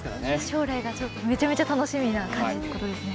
将来がめちゃめちゃ楽しみな感じですね